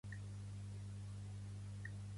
Tenir molta merda a la pica de fregar